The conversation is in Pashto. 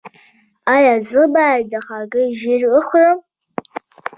ایا زه باید د هګۍ ژیړ وخورم؟